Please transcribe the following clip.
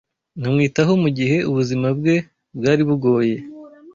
nkamwitaho mu gihe ubuzima bwe bwari bugoye,